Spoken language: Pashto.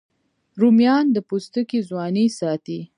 رومیان د پوستکي ځواني ساتي